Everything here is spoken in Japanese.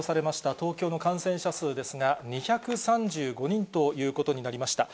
東京の感染者数ですが、２３５人ということになりました。